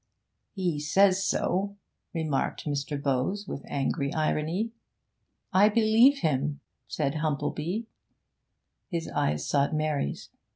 'He says so,' remarked Mr. Bowes with angry irony. 'I believe him,' said Humplebee. His eyes sought Mary's.